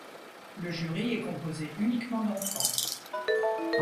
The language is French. Le jury est composé uniquement d'enfants.